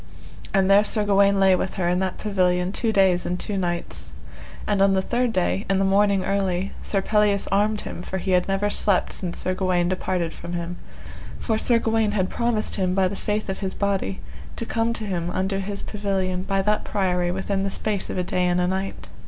And there Sir Gawaine lay with her in that pavilion two days and two nights. And on the third day, in the morning early, Sir Pelleas armed him, for he had never slept since Sir Gawaine departed from him; for Sir Gawaine had promised him by the faith of his body, to come to him unto his pavilion by that priory within the space of a day and a night.